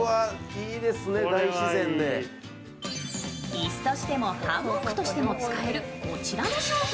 椅子としてもハンモックとしても使えるこの商品。